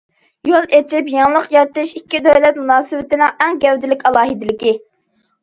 يول ئېچىپ يېڭىلىق يارىتىش ئىككى دۆلەت مۇناسىۋىتىنىڭ ئەڭ گەۋدىلىك ئالاھىدىلىكى.